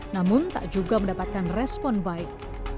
namun tak juga mendapatkan respon baik